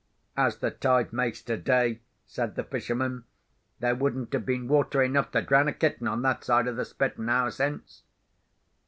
"As the tide makes today," said the fisherman, "there wouldn't have been water enough to drown a kitten on that side of the Spit, an hour since."